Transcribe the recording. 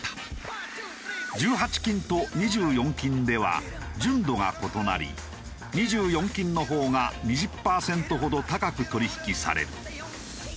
１８金と２４金では純度が異なり２４金のほうが２０パーセントほど高く取引される。